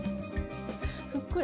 ふっくら？